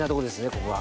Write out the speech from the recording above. ここは。